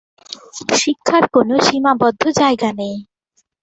শিক্ষার কোন সীমাবদ্ধ জায়গা নেই।